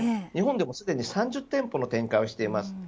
日本でもすでに３０店舗の展開をしています。